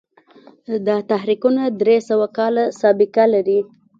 دا تحریکونه درې سوه کاله سابقه لري.